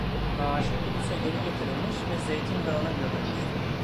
Naaşı Kudüs’e geri getirilmiş ve Zeytindağı’na gömülmüştü.